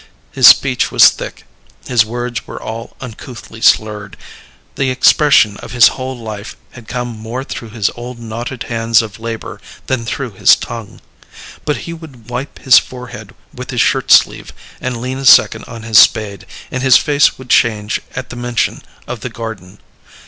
His speech was thick; his words were all uncouthly slurred; the expression of his whole life had come more through his old knotted hands of labor than through his tongue. But he would wipe his forehead with his shirt sleeve and lean a second on his spade, and his face would change at the mention of the garden.